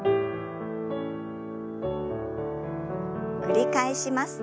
繰り返します。